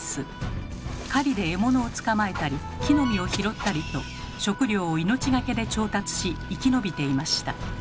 狩りで獲物を捕まえたり木の実を拾ったりと食料を命懸けで調達し生き延びていました。